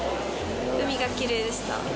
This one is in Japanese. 海がきれいでした。